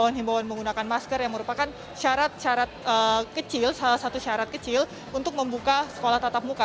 himbawan menggunakan masker yang merupakan syarat syarat kecil salah satu syarat kecil untuk membuka sekolah tatap muka